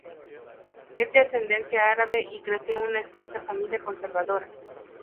Es de ascendencia árabe y creció en una estricta familia conservadora.